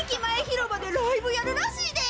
ひろばでライブやるらしいで！